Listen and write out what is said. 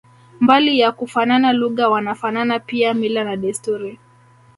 Mbali ya kufanana lugha wanafanana pia mila na desturi